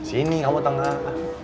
sini kamu tengah